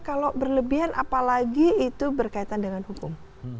kalau berlebihan apalagi itu berkaitan dengan hukum